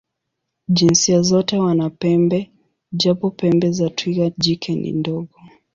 Jinsia zote wana pembe, japo pembe za twiga jike ni ndogo.